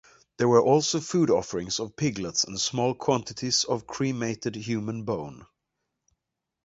There were also food offerings of piglets and small quantities of cremated human bone.